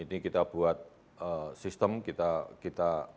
ini kita buat sistem kita